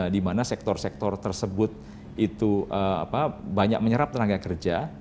di mana sektor sektor tersebut itu banyak menyerap tenaga kerja